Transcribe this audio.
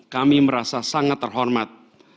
kami merasa sangat terhormat